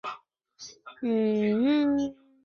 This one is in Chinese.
沙口镇是下辖的一个乡镇级行政单位。